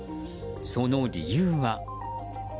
その理由は。